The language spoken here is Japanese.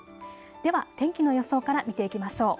では天気の予想から見ていきましょう。